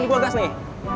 ini gua gas nih